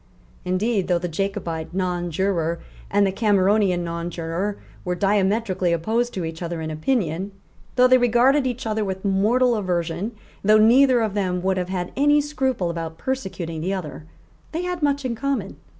Indeed, though the Jacobite nonjuror and the Cameronian nonjuror were diametrically opposed to each other in opinion, though they regarded each other with mortal aversion, though neither of them would have had any scruple about persecuting the other, they had much in common.